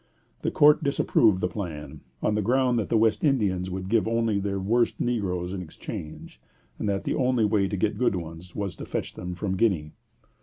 The court disapproved the plan, on the ground that the West Indians would give only their worst negroes in exchange, and that the only way to get good ones was to fetch them from Guinea.